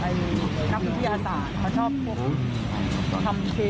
เรียนนักวิทยาศาสตร์ที่ดีอะพี่